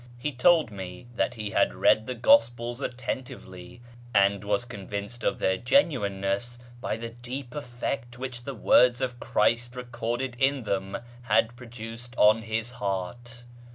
He told me that he had read the gospels attentively, and was convinced of their genuineness by the deep effect which the w^ords of Christ recorded in them had produced on his heart.